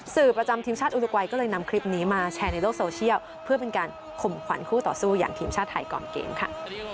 ประจำทีมชาติอุดัยก็เลยนำคลิปนี้มาแชร์ในโลกโซเชียลเพื่อเป็นการข่มขวัญคู่ต่อสู้อย่างทีมชาติไทยก่อนเกมค่ะ